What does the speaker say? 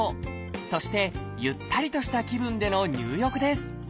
そしてゆったりとした気分での入浴です。